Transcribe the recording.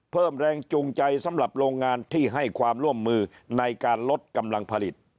เพิ่มแรงจูงใจสำหรับโรงงานที่ให้ความร่วมมือในการลดกำลังผลิต